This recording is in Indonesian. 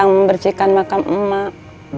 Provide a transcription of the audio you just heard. non persihkan emak